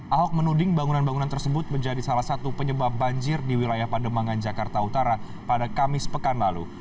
ahok menuding bangunan bangunan tersebut menjadi salah satu penyebab banjir di wilayah pademangan jakarta utara pada kamis pekan lalu